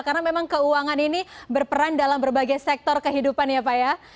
karena memang keuangan ini berperan dalam berbagai sektor kehidupan ya pak ya